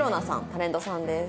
タレントさんです。